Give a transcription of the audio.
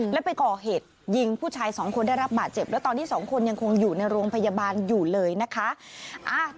แล้วไปก่อเหตุยิงผู้ชายสองคนได้รับบาดเจ็บแล้วตอนนี้สองคนยังคงอยู่ในโรงพยาบาลอยู่เลยนะคะ